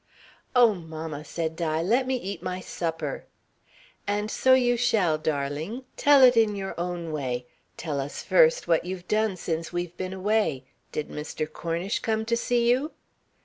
"Oh, mamma," said Di, "let me eat my supper." "And so you shall, darling. Tell it in your own way. Tell us first what you've done since we've been away. Did Mr. Cornish come to see you?"